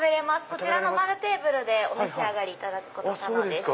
そちらの丸テーブルでお召し上がりいただけます。